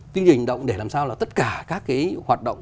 chương trình hành động để làm sao là tất cả các cái hoạt động